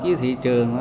với thị trường